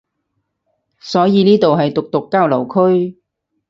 所以呢度係毒毒交流區